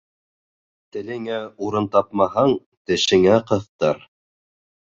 Телеңә урын тапмаһаң, тешеңә ҡыҫтыр!